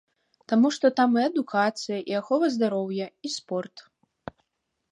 Таму што там і адукацыя, і ахова здароўя, і спорт.